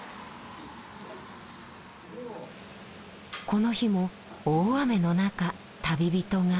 この日も大雨の中旅人が。